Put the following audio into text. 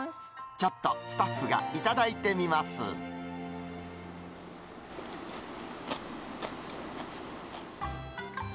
ちょっとスタッフが頂いてみます。